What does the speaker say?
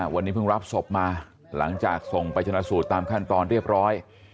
วันนี้เพิ่งรับศพมาหลังจากส่งไปชนะสูตรตามขั้นตอนเรียบร้อย